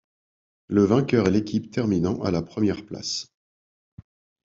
Le vainqueur est l'équipe terminant à la première place.